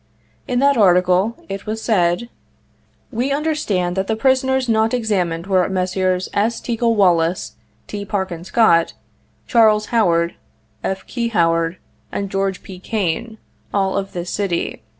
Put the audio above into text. In that article it was said : u We understand that the prisoners not examined were Messrs. S. Teackle Wallis, T. Parkin Scott, Charles Howard, F. Key Howard, and George P. Kane, all of this city.